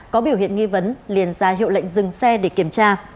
của huyện nghi vấn liền ra hiệu lệnh dừng xe để kiểm tra